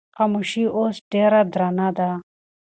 خاموشي اوس ډېره درنه ده.